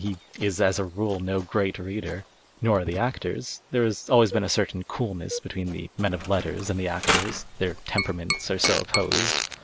He is as a rule no great reader. Nor are the actors. There has always been a certain coolness between the men of letters and the actors — their temj)eraments are so o})i)osed.